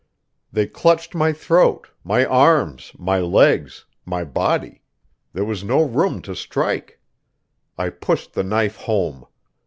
They clutched my throat, my arms, my legs, my body; there was no room to strike; I pushed the knife home.